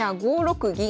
５六銀。